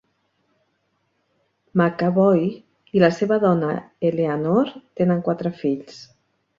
McAvoy i la seva dona Eleanor tenen quatre fills.